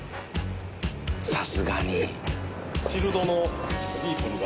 さすがに。